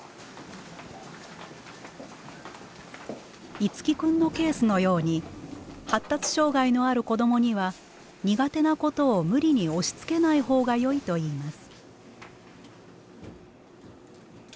樹君のケースのように発達障害のある子どもには苦手なことを無理に押しつけない方がよいといいます。